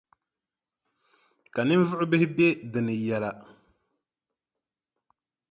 Ka ninvuɣʼ bihi be di ni yɛla.